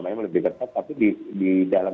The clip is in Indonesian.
macam lebih tepat tapi di dalam